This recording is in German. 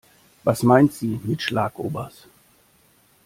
Was meint sie mit Schlagobers?